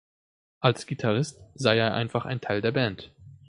Als Gitarrist sei er einfach ein Teil der Band.